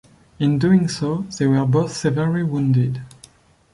In doing so, they were both severely wounded.